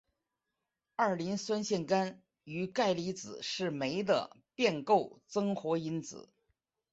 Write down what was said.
二磷酸腺苷与钙离子是酶的变构增活因子。